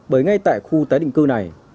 bởi ngay tại khu tái định cư này